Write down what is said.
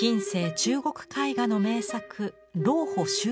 中国絵画の名作